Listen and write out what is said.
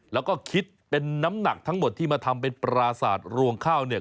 แล้วก็คิดเป็นน้ำหนักทั้งหมดที่มาทำเป็นปราสาทรวงข้าวเนี่ย